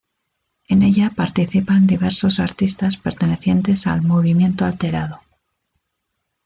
En ella participan diversos artistas pertenecientes al Movimiento Alterado.